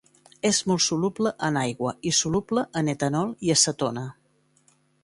És molt soluble en aigua i soluble en etanol i acetona.